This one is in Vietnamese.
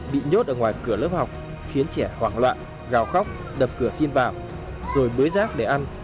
bị nhốt ở ngoài cửa lớp học khiến trẻ hoảng loạn gào khóc đập cửa xin vào rồi mới rác để ăn